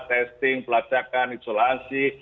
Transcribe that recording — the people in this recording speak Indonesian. testing pelacakan isolasi